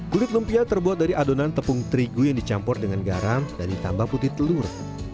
kulit lumpia terbuat dari adonan tepung terigu yang dicampur dengan garam dan ditambah putih telur